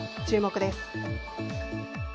注目です。